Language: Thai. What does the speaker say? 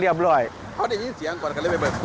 เขาได้ยื่นเสียงก่อนไหม